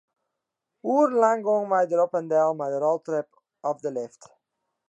Oerenlang gongen wy dêr op en del mei de roltrep of de lift.